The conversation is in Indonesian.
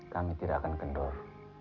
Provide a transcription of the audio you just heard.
kami tidak akan kendor